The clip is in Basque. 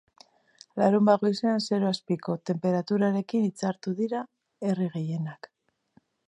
Larunbat goizean zero azpiko tenperaturarekin itxartu dira herri gehienak.